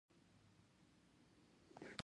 چرګان د ځمکې لاندې دانې پیدا کوي.